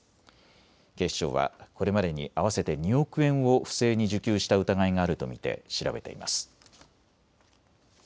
警視庁はこれまでに合わせて２億円を不正に受給した疑いがあると見て調べています。